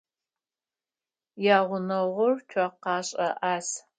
Ягъунэгъур цокъэшӏэ ӏаз.